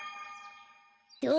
どう？